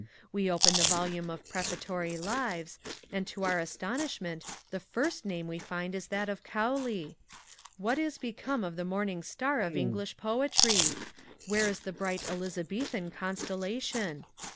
We open the volume of Prefatory Lives, and to our astonishment the first name we find is that of Cowley! What Is become of the morning star of English Poetry? Where is the bright Elizabethan constellation?